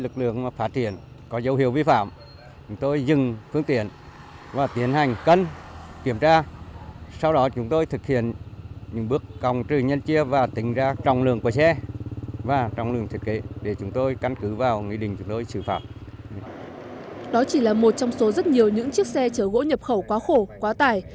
đó chỉ là một trong số rất nhiều những chiếc xe chở gỗ nhập khẩu quá khổ quá tải